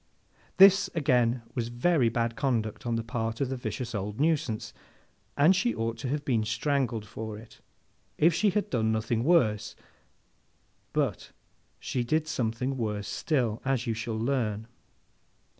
This, again, was very bad conduct on the part of the vicious old nuisance, and she ought to have been strangled for it if she had done nothing worse; but, she did something worse still, as you shall learn.